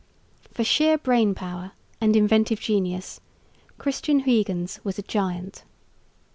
For sheer brain power and inventive genius Christian Huyghens was a giant.